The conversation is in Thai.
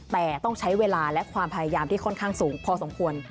แต่ต้องใช้เวลาและความพยายามที่ค่อนข้างสูงพอสมควร